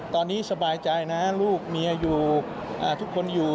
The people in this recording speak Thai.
ตอนนี้สบายใจนะลูกเมียอยู่ทุกคนอยู่